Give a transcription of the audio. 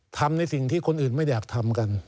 ทำในสิ่งที่คนอื่นไม่อยากทำกัน